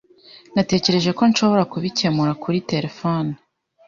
Natekereje ko nshobora kubikemura kuri terefone.